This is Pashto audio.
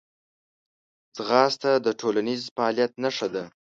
ځغاسته د ټولنیز فعالیت نښه ده